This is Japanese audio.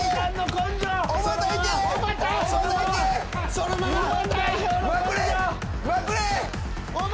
そのまま！